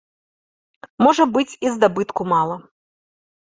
Можа быць і здабытку мала.